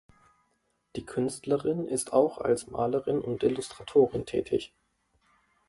Die Künstlerin ist auch als Malerin und Illustratorin tätig.